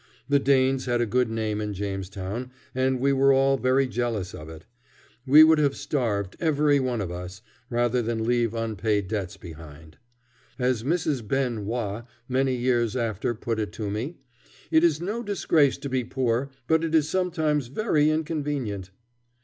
The Danes had a good name in Jamestown, and we were all very jealous of it. We would have starved, every one of us, rather than leave unpaid debts behind. As Mrs. Ben Wah many years after put it to me, "it is no disgrace to be poor, but it is sometimes very inconvenient."